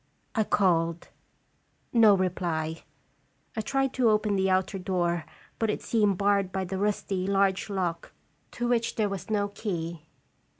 I called. No reply. I tried to open the outer door, but it seemed barred by the rusty, large lock, to which there was no key.